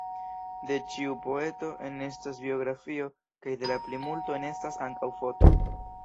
De ĉiu poeto enestas biografio, kaj de la plimulto enestas ankaŭ foto.